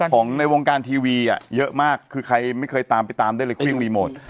ของในวงการทีวีเยอะมากคือใครไม่เคยตามไปตามได้เลยเครื่องรีโมท